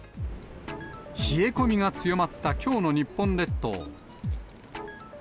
冷え込みが強まった、きょうの日本列島。